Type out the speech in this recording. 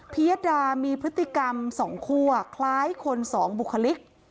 ยดามีพฤติกรรมสองคั่วคล้ายคนสองบุคลิก